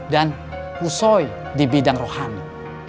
dan husoi di bidang rohani